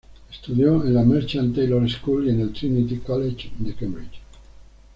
Estudió en la Merchant Taylor’s School y en el Trinity College de Cambridge.